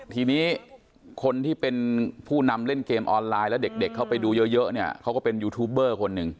ทีนี้คนที่เป็นผู้นำเล่นเกมออนไลน์แล้วเด็กเข้าไปดูเยอะเนี่ยเขาก็เป็นยูทูปเบอร์คนหนึ่ง